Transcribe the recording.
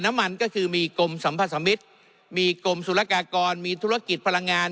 น้ำมันก็คือมีกรมสัมพสมิตรมีกรมสุรกากรมีธุรกิจพลังงาน